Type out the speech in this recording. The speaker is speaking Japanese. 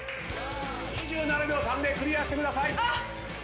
２７秒３でクリアしてください。